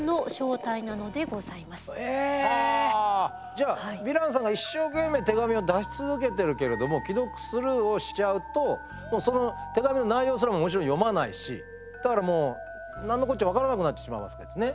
じゃあヴィランさんが一生懸命手紙を出し続けてるけれども既読スルーをしちゃうとその手紙の内容すらももちろん読まないしだからもうなんのこっちゃ分からなくなってしまうわけですね。